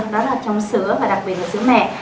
đó là trong sữa và đặc biệt là sứ mẹ